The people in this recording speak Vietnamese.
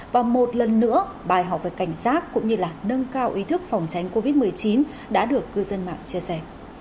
và một lần nữa bài học về cảnh giác cũng như là nâng cao ý thức phòng tránh covid một mươi chín đã được cư dân mạng chia sẻ